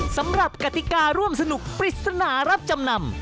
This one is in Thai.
สำหรับกติการร่วมสนุกปริศนารับจำนำ